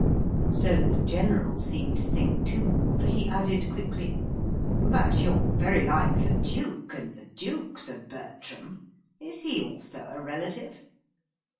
So the General seemed to think too, for he added quickly, "But you're very like the duke, and the duke's a Bertram. Is he also a relative?"